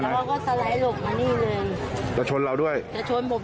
เขาก็สไลด์หลบมานี่เลยจะชนเราด้วยจะชนผม